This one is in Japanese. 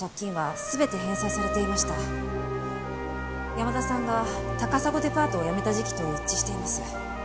山田さんが高砂デパートを辞めた時期と一致しています。